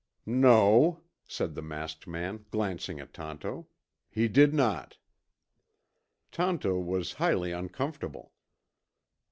"No," said the masked man, glancing at Tonto, "he did not." Tonto was highly uncomfortable.